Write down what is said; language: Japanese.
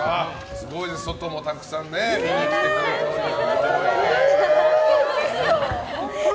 すごいです、外もたくさん見に来てくれてます。